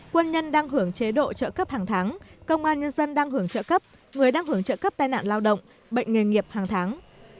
quân nhân đang hưởng chế độ trợ cấp hàng tháng công an nhân dân đang hưởng trợ cấp người đang hưởng trợ cấp tai nạn lao động bệnh nghề nghiệp hàng tháng